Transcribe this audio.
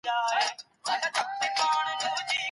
حضوري چاپيريال د ټولګي نظم ساتي.